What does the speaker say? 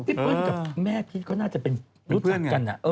เปิ้ลกับแม่พีชก็น่าจะเป็นรู้จักกัน